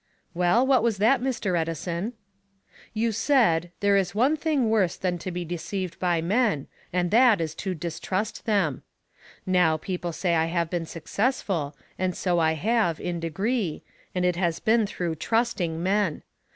"Well, what was that, Mr. Edison?" "You said, 'There is one thing worse than to be deceived by men, and that is to distrust them.' Now people say I have been successful, and so I have, in degree, and it has been through trusting men.